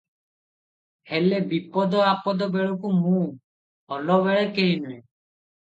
ହେଲେ, ବିପଦ ଆପଦ ବେଳକୁ ମୁଁ --ଭଲବେଳେ କେହିନୁହେଁ ।